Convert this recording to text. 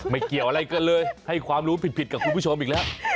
เกี่ยวอะไรกันเลยให้ความรู้ผิดกับคุณผู้ชมอีกแล้ว